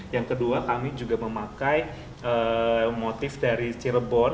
yang kedua kami juga memakai motif dari cirebon